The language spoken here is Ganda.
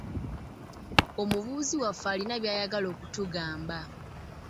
Omubuuzi waffe alina by'ayagala okutugamba.